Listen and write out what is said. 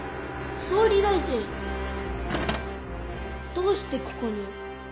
どうしてここに？